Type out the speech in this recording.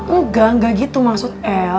enggak enggak gitu maksud el